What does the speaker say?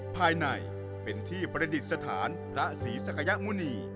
ภายในเป็นที่ประดิษฐานพระศรีศักยมุณี